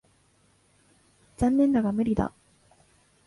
残念だが無理だ。